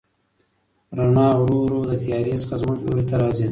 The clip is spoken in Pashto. رڼا ورو ورو له تیارې څخه زموږ لوري ته راځي.